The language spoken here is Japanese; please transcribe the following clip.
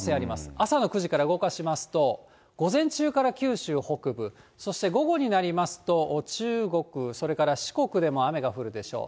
朝の９時から動かしますと、午前中から九州北部、そして午後になりますと、中国、それから四国でも雨が降るでしょう。